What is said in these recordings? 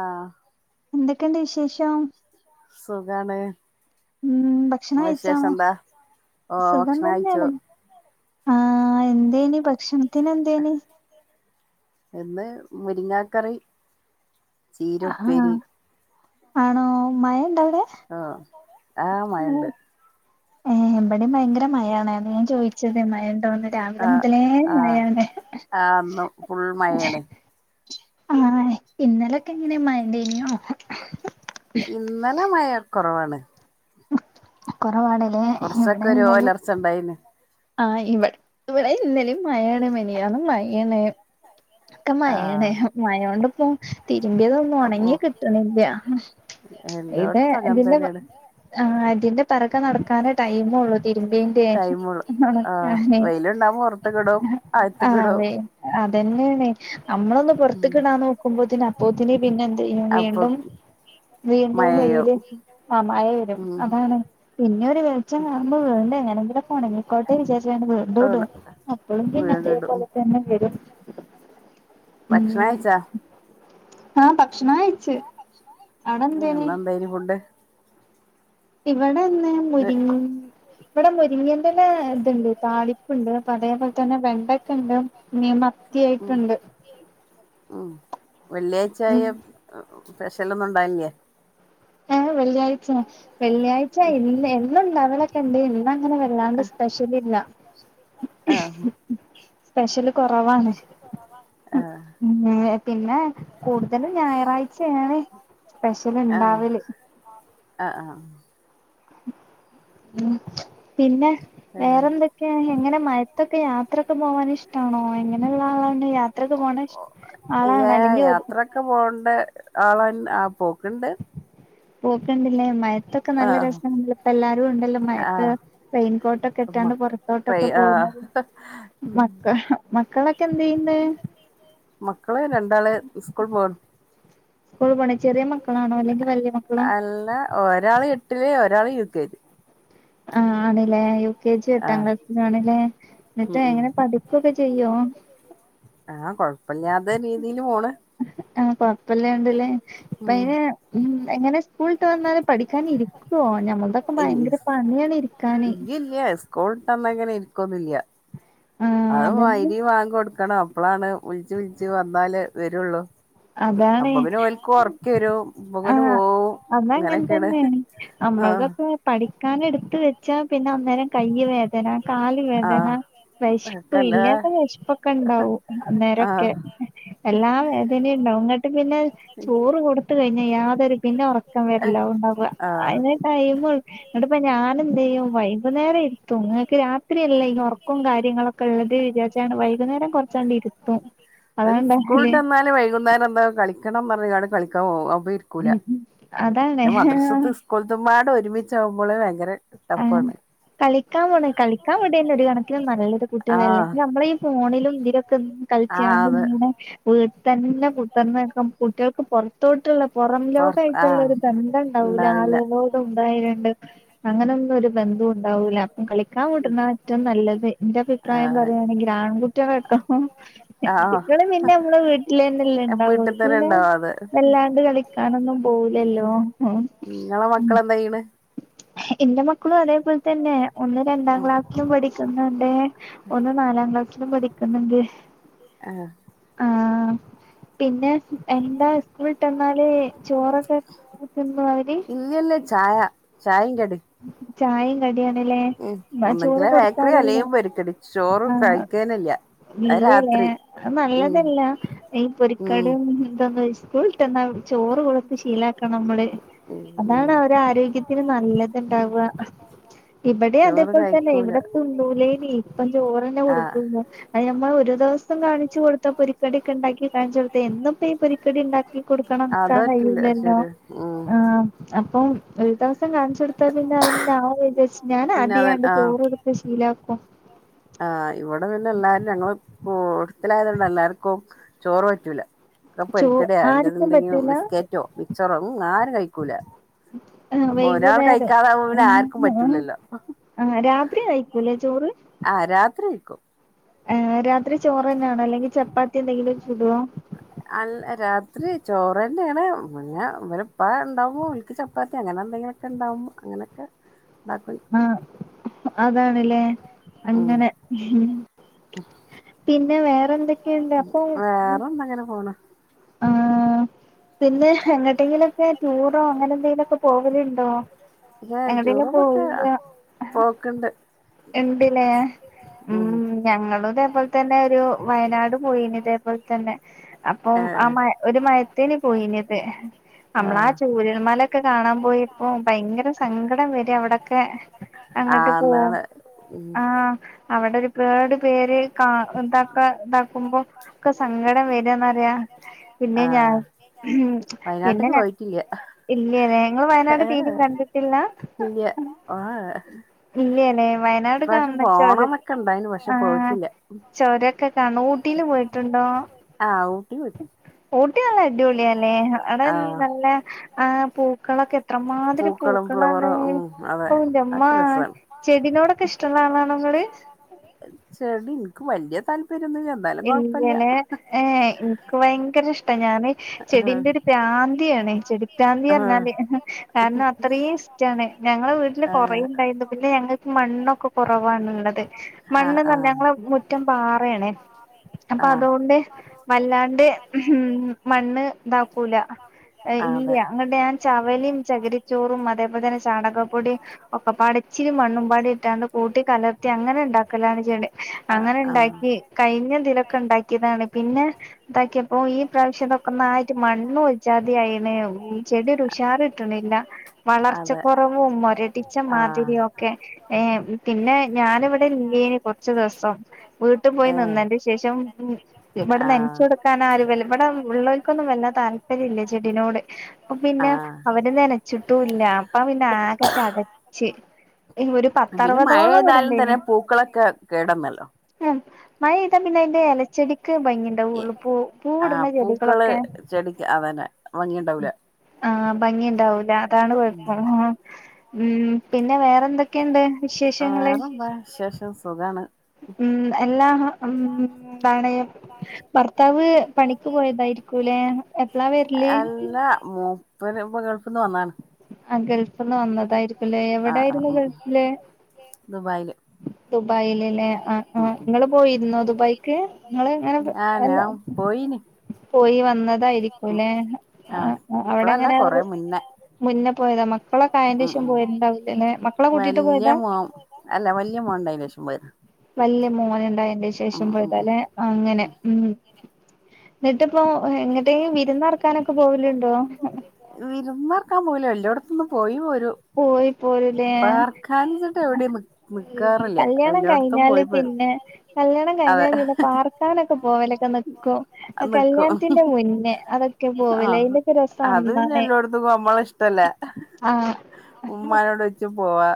ആഹ് എന്തൊക്കെയുണ്ട് വിശേഷം. സുഖാണ്. ഉം ഭക്ഷണം കഴിച്ചോ സുഖം തന്നെയാണ് ആഹ് എന്തേനി ഭക്ഷണത്തിന് എന്തേനി. എന്ന് മുരിങ്ങക്കറി. ആഹ് ആണോ മഴ ഉണ്ടോ അവിടെ? ആ ആ മഴണ്ട്. ഏഹ എടയും ഭയങ്കര മഴയണ് അതാ ഞാൻ ചോദിച്ചത് മയ ണ്ടോന്ന് രാവിലെ മുതലേ മായാണ്. ആഹ് ഇന്നലൊക്കെ ഇങ്ങനെ മയണ്ടേനിയോ? ഇന്നലെ മഴ കുറവാണ്. കുറവാണ്ല്ലേ ഇവിടെ ഇന്നാലിം [unintelligible] ആ ഇവിടെ ഇവിടെ ഇന്നലയും മയയാണ് മിനിയാന്നും മയയാണ് ഒക്കെ മയയാണ് മയ കൊണ്ടിപ്പോ തിരുമ്പിയതൊന്നും ഉണങ്ങി കിട്ടണില്ല ഇത് ഇതിന്റെ ആഹ് അതിന്റെ പിറകെ നടക്കാനേ ടൈമുള്ളു തിരുമ്പിയേന്റെയേ ആഹ് അതേ അത് തന്നെയാണ് നമ്മളൊന്ന് പുറത്തേക്ക് ഇടാന്ന് വെക്കുമ്പോളത്തേന് അപ്പോത്തേന് പിന്നെ എന്ത് ചെയ്യും വീണ്ടും വീണ്ടും വെയില് ആ മയ വരും അതാണ് പിന്നെ ഒരു വെളിച്ചം കാണുമ്പോ വീണ്ടും എങ്ങനെങ്കിലൊക്കെ ഒണങ്ങിക്കോട്ടെ വിചാച്ചാണ്ട്‌ വീ അപ്പോഴും പിന്നേ അതേ പോലെ തന്നെ വരും ഭക്ഷണം കഴിച്ചോ ആഹ് ഭക്ഷണം കഴിച്ച് ഉം ഇന്ന് എന്തായിരുന്നു ഫുഡ്ഡ് ഇവിടെന്നാ മുരിങ്ങ ഇവിടെ മുരിങ്ങ ഇലേന്റെ ഇതുണ്ട് താളി ഉണ്ട് അതേപോലെ തന്നെ വെണ്ടക്ക ഉണ്ട് മീൻ മത്തിയായിട്ടുണ്ട് ഉം വെള്ളിയാഴ്ച ആയാൽ സ്പെഷലൊന്നും ഉണ്ടാവില്ലേ ഏ വെള്ളിയാഴ്ച വെള്ളിയാഴ്ച എ എന്നും [unintelligible] ണ്ട് ഇന്ന് അങ്ങനെ വെല്ലാണ്ട് സ്പെഷ്യലില്ല ആഹ് സ്പെഷ്യല് കുറവാണ് പിന്നെ പിന്നേ കൂടുതലും ഞായറാഴ്ചാണ് സ്പെഷ്യല് ഇണ്ടാവല് ആഹ ആഹ് ആഹ് ഉം പിന്നെ വേറെന്തൊ ക്കെ എങ്ങനെ മയക്കൊക്കെ യാത്രയൊക്കെ പോകാൻ ഇഷ്ടാണോ എങ്ങനെയുള്ള ആളാ യാത്രൊക്കെ പോണേ ആളാണ് അല്ലെങ്കി ക്കെ പോകണ്ട ആള ആ പോക്കണ്ട് പോക്കൊണ്ടല്ലേ മയത്തൊക്കെ നല്ല രസവാണല്ലോ ഇപ്പ എല്ലാരും ഉണ്ടല്ലോ മയത്ത് റെയിൻകോട്ടൊക്കെ ഇട്ടാണ്ട് പുറത്തോട്ടൊക്കെ പോകുന്നത് മക്ക മക്കളൊക്കെ എന്ത് ചെയ്യുന്നേ മക്കള് രണ്ടാള് സ്കൂൾ പോണ് സ്കൂളിൽ പോണ് ചെറിയ മ അല്ല ഒരാള് എട്ടില് ഒരാള് യു കെ ജി ആഹ് ആണില്ലേ യു കെ ജി എട്ടാം ക്ലാസ്സിലും ആണല്ലേ എന്നിട്ട് എങ്ങനെ പഠി ക്കൊക്കെ ചെയ്യോ ആഹ് കൊഴപ്പില്ലാത്ത രീതിൽ പോണ് ആഹ് കൊഴപ്പല്ലാണ്ടല്ലേ ഇപ്പ അയിന് ഉം എങ്ങനെ സ്കൂള് വിട്ട് വന്നാല് പഠിക്കാൻ ഇരിക്കുവോ ഞങ്ങളുടെ ഭയങ്കര പണിയാണ് ഇരിക്കാനെ യെസ് സ്കൂള് വിട്ട് വന്നാൽ അങ്ങനെ ഇരിക്കുവൊന്നുവില്ല അത് വൈരി ബാങ്കു കൊടുക്കണം അപ്പളാണ് വിളിച്ച് വിളിച്ച് വന്നാലേ വരുള്ളു അപ്പോ പിന്നേ ഓൽക്ക് ഉറക്കെ വരും അപ്പോ പിന്നേ പോവും അത അങ്ങനെ തന്നെ നമ്മളുടേതൊക്കെ പഠിക്കാൻ എടുത്ത് വെച്ചാ പിന്നെ അന്നേരം കയ്യ് വേദന കാല് വേദന വിശപ്പ് ഇല്ലാത്ത വിശപ്പൊക്കെ ഉണ്ടാവും അന്നേരൊക്കെ എല്ലാ വേദ ന ഉണ്ടാവും അങ്ങോട്ട് പിന്നെ ചോറ് കൊടുത്ത് കഴിഞ്ഞാ യാതൊരു പിന്നെ ഉറക്കം വരലാ ഉണ്ടാവുക അതിന്‌ [unintelligible] എന്നിട്ടിപ്പോ ഞാനും എന്ത് ചെയ്യും വൈകുന്നേരം ഇരുത്തും നിങ്ങൾക്ക് രാ ത്രിയല്ലേ ഉറക്കവും കാര്യങ്ങളൊക്കെ ഉള്ളത് വിചാരിച്ചാണ് വൈകുന്നേരം കുറച്ചാണ്ട് ഇരുത്തും അതോണ്ടാ അല്ലേ വൈകുന്നേരം പോയി കളിക്കും ക്കണം പറയുവന് കളിക്കാപോവാ അപ്പെ എനിക്ക് പിന്നെ മദ്രസത്ത് സ്കൂള്ത്തുമ്പാടെ ഒരുമിച്ചാവുമ്പെള് ഭയങ്കര ടഫ്ഫാണ് കളിക്കാൻ പോണ് കളിക്കാൻ വിടെന്നെ ഒരു കണക്കിന് നല്ലത് കുട്ടികളല്ലെ നമ്മള ഈ ഫോണിലും ഇതിലൊക്കെ കളിച്ചാണ്ട് ഇങ്ങെനെ വീട്ട് ത്തന്നെ കു തെന്നേക്കം കുട്ടികൾക്ക് പുറത്തോട്ടുള്ള പ പൊറം ലോകം ആയിട്ടുള്ള ഒരു ബന്ധം ഇണ്ടാവൂല ന്ന്ള്ളരു തും ഉണ്ടായോണ്ട് അങ്ങനൊന്നും ഒരു ബന്ധും ഇണ്ടാവൂല കളിക്കാൻ വിട്ന്നതാ ഏറ്റവും നല്ലത് എന്റെ അഭിപ്രായം പറയാണെങ്കില് ആൺകുട്ട്യാള് ട്ടോ [unintelligible] പിന്നെ നമ്മള് വീട്ടിൽ തന്നെല്ലാം ഉണ്ടാവും ഓൾക്ക് വല്ലാണ്ട് കളി കാണൊന്നും പോവുലല്ലോ ഉം ഉം ഇന്റെ മക്കളും അതേപോൽതന്നെ ഒന്ന് രണ്ടാം ക്ലാസിലും പഠിക്കുന്നുണ്ട് ഒന്ന് നാലാം ക്ലാസ്സിലും പഠിക്ക്ന്ന്ണ്ട് ആഹ് ആഹ് പിന്നെ എന്താ സ്കൂൾവിട്ടന്നാല് ചോറൊക്കെ ത്‌ന്നൊ അവര് ചായ ചായിം കടിം ഉം ഒന്നെങ്കിലെ ബേക്കറി അല്ലങ്കി പാെരിക്കടി ചോറും കഴി ക്കേനല്ലാ ഇല്ലല്ലേ അഅ് നല്ലതല്ല ഈ പൊരിക്കടിം ഇതൊന്ന് ഇസ്കൂൾ വിട്ടന്നാ ചോറ് കൊട്ത്ത് ശീലക്കണം അമ്മള് അതാണ് അവരെ ആരോഗ്യത്തിന് നല്ലെ ഇണ്ടാവാ ഇബടിം അതേപോൽതന്നെ ഇവടെ തിന്നൂലേനി ഇപ്പം ചോറന്നെ കൊട്ക്കും അഅ് നമ്മളഒരു ദിവസം കാണിച്ചു കൊടു ത്തപൊരിക്കടി ഒക്കെ ഇണ്ടാക്കി കാണ്ച്ചു കൊട്ത്ത എന്നുംപ്പ ഈ പൊരിക്കടി ഇണ്ടാക്കി കൊട്ക്കണം കാൻ കയ്യില്ലല്ലോ ആഹ് അപ്പൊ ഒരു ദിവസം കാണിച്ച്കൊടുത്ത പിന്നെ അഅന്നെ ആഒരു ഇതേച്ച് ഞാനാദ്യങ്ങട് ചോറ് ത് ശീലാക്കും ആഹ് ഇവടെ പിന്നെ എല്ലാരും ഞങ്ങൾ ഇട്ത്തലായതോണ്ട്‌ എല്ലാർക്കും ചോറ് പറ്റൂല ഇവ്ടെ പൊരിക്കട്യാ അല്ലാന്ന്ണ്ടങ്കി ബിസ്ക്കേറ്റോ മിച്ചറോ ആരും കഴിക്കൂല [inaudible] ആഹ് വൈകുന്നേരം ഉം മോന് ആഹ് രാത്രി കഴിക്കൂല്ലേ ചോറ് ആഹ് രാത്രി കഴിക്കും ഏഹ് രാത്രി ചോറ് തന്നെയാണോ അല്ലെങ്കിചപ്പാത്തി എന്തെങ്കിലും ചുടോ അല്ല രാത്രി ചോറന്നെ ആണ് പിന്നെ ഇവലെ പ്പ ഇണ്ടാവുമ്പോ കൽക്ക് ചപ്പാത്തി അങ്ങനെ എന്തെങ്കിലും ഒക്കെ ഇണ്ടാവും അങ്ങനെക്കെ ആഹ് അതാണ്ല്ലേ അങ്ങനെ പിന്നെ വേറെന്തൊക്ക്- വേറെ എന്താ അങ്ങനെ പോണ് ആഹ് പിന്നെ എങ്ങട്ടെങ്കിലൊക്കെ ടൂറോ അങ്ങനെ എന്തെങ്കിലും ഒക്കെ പോവല്ണ്ടോ ഞാ ടൂറുമൊക്കെ പോക്ക്ണ്ട് ഇണ്ട്ലേ ഉം ഞങ്ങളും ഇതേപോൽതന്നെ ഒരു വയനാട് പോയിനി ഇതേപോൽതന്നെ അപ്പം ആ മഴ ഒരു മഴത്തേനി പോയീനത് നമ്മള് ആ ചൂരൽമലെക്കെ കാണാൻ പോയിപ്പോ ഭയങ്കര സങ്കടം വരാ അവിടെക്കെ അങ്ങട്ട് പോ ഉം ആഹ് അവടൊരു- കേട് പേര് കാണ് ഇതാക്ക ഇതാക്കുമ്പോ ഒക്കെ സങ്കടം വര്യാന്നറിയാ പിന്നെ ഞാൻ ഉം പിന്നെ ഞ ഇല്ല്യലേ ഇങ്ങള് വയനാട് തീരിം കണ്ടിട്ടില്ല ഇല്ല്യലേ നാട് കാണചൊര ആഹ് ചൊര ക്ക കാണണം ഊട്ടീല് പോയിട്ടുണ്ടോ ഊട്ടി നല്ല അടിപൊളിയാല്ലേ അവിടെന്നും നല്ലെ ആഹ് പൂക്കളൊക്കെ എത്രമാതിരി പൂക്കളാണ് ഉള്ള ഔന്റെമ്മാ ചെടിനോടൊക്കെ ഇഷ്ടള്ളളാണോ ഇങ്ങള് ചെടി ഇന്ക് വല്ല്യ താല്പര്യം ഒന്നുല്ല്യ ന്നാലും കൊഴപ്പല്യ ഏഹ് ഇന്ക് ഭയങ്കര ഇഷ് ട്ട ഞാന് ചെടിന്റെ ഒരു പ്രാന്തിയാണ് ചെടി പ്രാന്തി പറഞ്ഞാല് കാരണം അത്രം ഇസ്റ്റാണ് ഞങ്ങളെ വീട്ടില് കുറേണ്ടായിരുന്നു പിന്നെ ഞങ്ങക്ക് മണ്ണൊക്കൊ കുറവാണുള്ളത് മണ്ണ് നല്ല ഞങ്ങള മുറ്റം പാറേണ് അപ്പൊ അതോണ്ട് വല്ലാണ്ട് ഉം മണ്ണ് ഇതാക്കൂല ഇല്ല്യങ്ങട്ട് ഞാൻ ചവലിം ചകിരിച്ചോറും അതേപോലെ തന്നെ ചാണകപ്പൊടിം ഒക്കെപ്പാടെ ഇച്ചിരി മണ്ണും പാടെ ഇട്ടാണ്ട് കൂട്ടി കലർത്തി അങ്ങനെ ഇണ്ടാക്കലാണ് ചെയ്യണ്ട അങ്ങനെ ഇണ്ടാക്കി കഴിഞ്ഞതിലൊക്കെ ഇണ്ടാക്കിയതാണ് പിന്നെ ഇതാക്കിയപ്പോ ഈ പ്രാ പഷേ തൊക്കെന്നായിട്ട് മണ്ണു ഒര് ജാതിയായിണ് ചെടി ഒരു ഉഷാറ്ട്ട്ണില്ല വളർച്ചക്കൊറവും മുരടിച്ച മാതിരിയൊ ക്കെ പിന്നെ ഞാനിവിടെല്ലേനി കുറച്ച് ദിസം വീട്ടി പോയി നിന്നേന്റെ ശേഷം ഉം ഇവിടെ നനച്ചു കൊടുക്കാന് ആരു വല ഇവിടെ ഉള്ളോൽക്കൊന്നും വല്ലാ താല്പര്യ ഇല്ല ചെടിനോട് പിന്നെ അവര് നന ച്ചിട്ടും ഇല്ല അപ്പ പിന്നെ ആകെ ചടച്ച് ഒരു പത്തറുവതോളം ഇവിടണ്ടേനി ഉം മഴ പെയ്താ പിന്നെ അയിന്റെ ഇലച്ചെടിക്ക് ഭംഗി ണ്ടവൊള്ളൂ പൂ പൂവിട്ണ ചെടികളൊക്കെ ആഹ് ഭംഗിയണ്ടാവൂല അതാണ് കുഴപ്പം ഉം പിന്നെ വേറെ എന്തൊക്കെണ്ട് വിശേഷങ്ങള് [unintelligible] വിശേഷം ഉം സുഖാണ് ഉം എല്ലാ ഉം ന്താണ് ഭർത്താവ് പണിക്ക് പോയതായിരി ക്കുലേ എപ്പളാ വരല് ആഹ് ഗൾഫിന്ന് വന്നതായിരു കുലെ എവിടെയിരുന്നു ഗൾഫില് ദുബായില് ആഹ് ആഹ് ഇങ്ങള് പോയിരുന്നോ ദുബായിക്ക് ഇങ്ങള് ഇങ്ങനെ അല്ല പോയി വന്നതായിരിക്കുല്ലെ അവിടെങ്ങനെ റു മുന്നെ പോയതാ മക്കളൊക്കെയാന്റെ ശേഷം പോയിട്ടുണ്ടാവില്ലല്ലെ മക്കളെ കൂട്ടീട്ട് പോയതാ അല്ല വല്ല്യ മോൻ ഇണ്ടായെന്റെ ശേഷം പോയതാ വല്ല്യ മോന് ഉണ്ടായന്റെ ശേഷം പോയതാലേ അങ്ങനെ ഉം ഇന്നട്ടിപ്പോ എങ്ങിട്ടേലും വിരന്നറക്കാനൊക്കെ പോവലുണ്ടോ വിരുന്നറക്കാൻ പോയില്ല എല്ലടത്തൊന്നും പോയി പോരു പോയി പോരുലേ കല്യാണം കഴിഞ്ഞാല് പിന്നെ കല്യാണം കഴിഞ്ഞാ പിന്നെ പാർ ക്കാനൊക്കെ പോവലൊക്കെ നിക്കും ആഹ് കല്യാണത്തിന്റെ മുന്നേ അതൊക്കെ പോവല് അയിന്റെ അത് പിന്നെ എല്ലോടത്തും പോവാം നമ്മളെ ഇഷ്ടല്ലേ ആഹ് ഉമ്മാനോട് ചോയ്ച്ച് പോവാ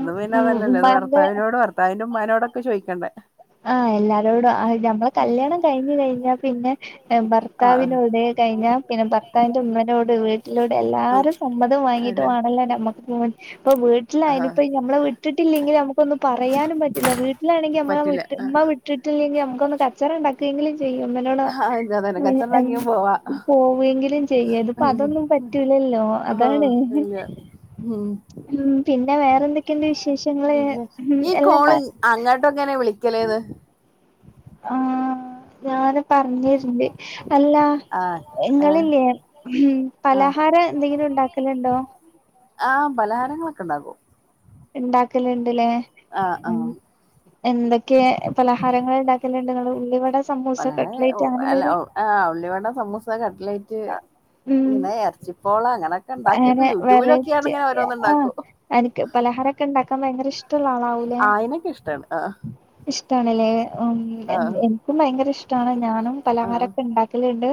അത് പിന്നെ അതല്ലല്ലോ അത് ഭർത്താവിനോട് ഭർത്ത ഭർത്താവിന്റ ഉമ്മാനോടൊക്കെ ചോദിക്കണ്ടേ ആഹ് എല്ലാരോടു ആഹ് നമ്മളെ കല്യാണം കഴിഞ്ഞ് കഴിഞ്ഞാ പിന്നെ ഇപ്പൊ ഭർത്താവിനോട് കഴിഞ്ഞ പിന്നെ ഭർത്താവിന്റെ ഉമ്മനോട് വീട്ടിലൂടെ എല്ലാരും സമ്മതം വാങ്ങിട്ട് വാണല്ലോ നമ്മുക്ക് പോവാൻ ഇപ്പൊ വീട്ടിലായിനിപ്പ നമ്മളെ വിട്ടിട്ടില്ലെങ്കില് നമുക്കൊന്നും പറയാനും പറ്റില്ല വീട്ടിലാണെങ്കി നമ്മള് ഉമ്മ വിട്ടിട്ടില്ലെങ്കിൽ നമുക്കൊന്ന് കാ ച്ചറ ഉണ്ടാക്കെങ്കിലും ചെയ്യും ഉമ്മനോട് പോവെങ്കിലും ചെയ്യാം ഇത് ഇപ്പൊ അതൊന്നും പറ്റൂലല്ലോ അതാണ് ഉം പിന്നെ വേറെ എന്തൊക്കെയണ്ട് വിശേഷങ്ങള് [unintelligible] എല്ലാം അങ്ങോട്ടങ്ങെനെ വിളിക്കലേന്ന് ആഹ ഞാന് പറഞ്ഞരണ്ട് അല്ലാ നിങ്ങളില്ലേ ഉം പലഹാരം എന്തെങ്കിലും ഇണ്ടകലുണ്ടോ ആഹ് പലഹാരങ്ങളൊക്കെ ഉണ്ടാകും ഇണ്ടാകലുണ്ടലെ ഉം എന്തൊക്കെ പലഹാരങ്ങൾ ഉണ്ടാക്കലണ്ട് നിങ്ങൾ ഉള്ളിവട സമൂസ കട്ലേറ്റ് അങ്ങനെന്തെങ്കിലും മം പിന്നെ ഇറച്ചിപ്പോള അങ്ങനൊക്കെ ഉണ്ടാക്കിയൊക്കെ യൂട്യൂബിലൊക്കെയാണ് ഇങ്ങനെ ഓരോന്ന് ഉണ്ടാക്കും എനിക്ക് പലഹാരൊക്കെ ഉണ്ടാക്കാൻ ഭയങ്കര ഇഷ് ആയിനൊക്കെ ഇഷ്ടാണ് ഇഷ്ടണല്ലേ ഉം എനിക്കും ഭയങ്കര ഇഷ്ടാണ് ഞാനും പലഹാരൊക്കെ ഉണ്ടാ ലണ്ട്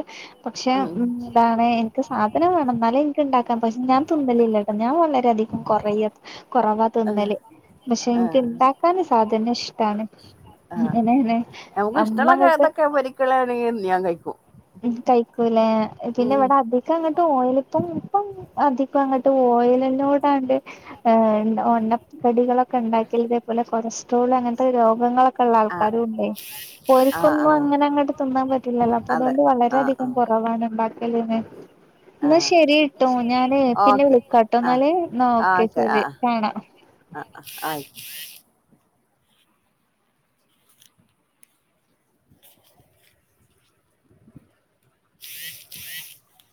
പക്ഷെ ഉ ഇതാണ് എനിക്ക് സാധനം വേണം എന്നാലും [unintelligible] ഉണ്ടാക്കാൻ പക്ഷെ ഞാൻ തിന്നലില്ല ട്ടോ ഞാൻ വളരെയധികം കുറയ കുറവാ തിന്നല് പക്ഷെ എനിക്ക് ഇണ്ടാക്കാന് സാധനയ ഇഷ്ടാണ് ഇനെ [unintelligible] [unintelligible] ഞാൻ കഴിക്കും ഉം കഴിക്കൂലേ പിന്നെ ഇവിടെ അധികം അങ്ങട്ട് ഓയിലിപ്പം ഇപ്പം അധികം അങ്ങോട്ട് ഓയലിനോടണ്ട് യേം ഒണ്ണക്കടികളൊക്കെ ഉണ്ടാക്കരുത് ഇതേപോലെ കൊളസ്ട്രോൾ അങ്ങനത്തെ രോഗങ്ങളൊക്കെ ഇവർക്കുള്ള ആൾക്കാരു ഉണ്ടേ അപ്പ ഓരിക്കൊന്നും അങ്ങനെ അങ്ങട്ട് തിന്നാൻ പറ്റില്ലല്ലോ അതോണ്ട് വളരെയധികം കുറവാണ് ബാക്കിയലിനെ എന്നാ ശെരി ഇട്ടോ ഞാനേ പിന്നെ വിളിക്കാട്ടോ എന്നാല് എന്നാ ഓക്കെ ശെരി കാണാം അ -അ -അയ് [unintelligible]